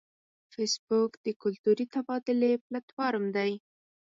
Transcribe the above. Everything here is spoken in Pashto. فېسبوک د کلتوري تبادلې پلیټ فارم دی